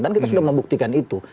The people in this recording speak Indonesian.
dan kita sudah membuktikan itu